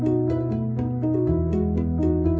segala perapaannya ini hadir